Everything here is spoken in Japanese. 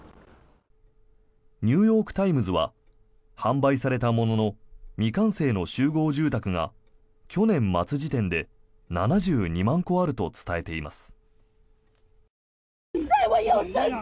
ニューヨーク・タイムズは販売されたものの未完成の集合住宅が去年末時点で７２万戸あると伝えています。